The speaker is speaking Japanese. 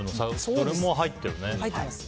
それも入ってるね。